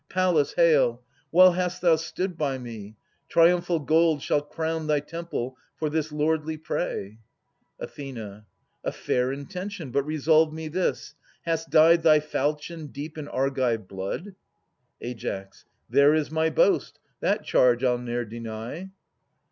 Pallas, hail! Well hast thou stood by me. Triumphal gold Shall crown thy temple for this lordly prey. Ath. a fair intention ! But resolve me this : Hast dyed thy falchion deep in Argive blood? Ai. There is my boast ; that charge I '11 ne'er deny.